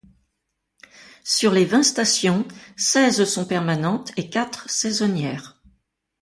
Sur les vingt stations, seize sont permanentes et quatre saisonnières.